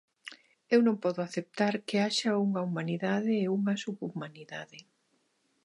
Eu non podo aceptar que haxa unha humanidade e unha subhumanidade.